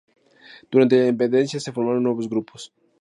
Durante la independencia se formaron nuevos grupos.